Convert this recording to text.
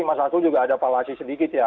mas arsul juga ada palasi sedikit ya